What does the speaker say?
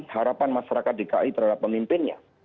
harapan masyarakat dki terhadap pemimpinnya